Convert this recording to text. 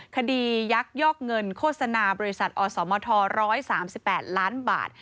ยักยอกเงินโฆษณาบริษัทอสมท๑๓๘ล้านบาท